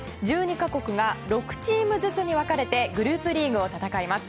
１２か国が６チームずつに分かれてグループリーグを戦います。